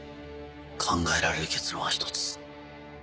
考えられる結論は１つ。